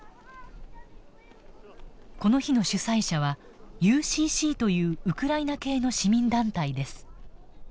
この日の主催者はＵＣＣというウクライナ系の市民団体です。